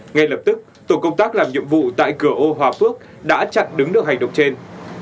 ngay lập tức tổ công tác làm nhiệm vụ tại cửa ô hòa phước đã chặn đứng được hành động trên